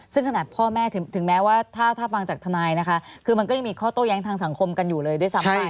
ซึ่งขนาดพ่อแม่ถึงแม้ว่าถ้าฟังจากทนายนะคะคือมันก็ยังมีข้อโต้แย้งทางสังคมกันอยู่เลยด้วยซ้ำไป